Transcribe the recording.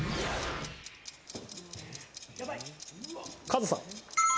カズさん。